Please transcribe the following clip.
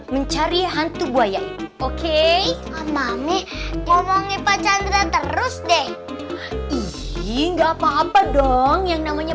mencari hantu buaya oke mami ngomongin pacar terus deh iiih nggak apa apa dong yang namanya